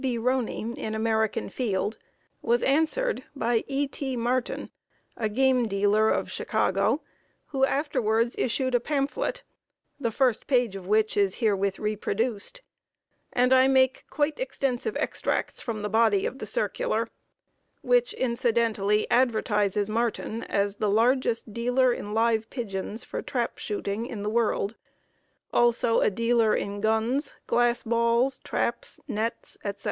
B. Roney in American Field, was answered by E. T. Martin, a game dealer of Chicago, who afterwards issued a pamphlet, the first page of which is herewith reproduced, and I make quite extensive extracts from the body of the circular, which incidentally advertises Martin as "the largest dealer in live pigeons for trap shooting in the world, also a dealer in guns, glass balls, traps, nets, etc."